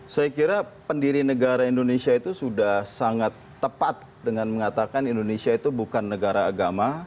saya kira pendiri negara indonesia itu sudah sangat tepat dengan mengatakan indonesia itu bukan negara agama